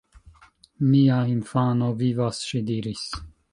Mia infano vivas, ŝi diris.